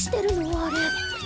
あれ。